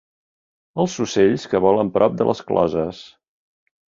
Els ocells que volen prop de les closes.